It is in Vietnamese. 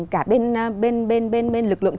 cả bên lực lượng